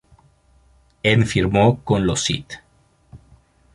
En firmó con los St.